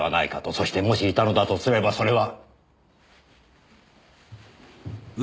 そしてもしいたのだとすればそれは。